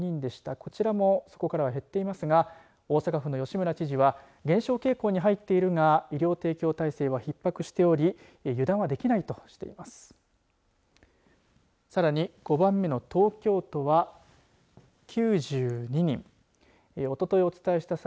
こちらもそこからは減っていますが大阪府の吉村知事は減少傾向に入っているが医療提供体制は、ひっ迫しており油断はできないとしています。